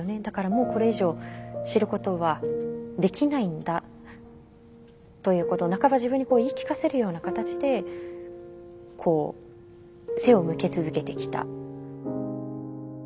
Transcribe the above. だからもうこれ以上知ることはできないんだということを半ば自分に言い聞かせるような形でこう背を向け続けてきた。